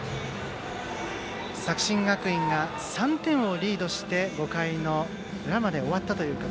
作新学院が３点をリードして５回の裏まで終わったという形。